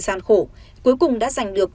gian khổ cuối cùng đã giành được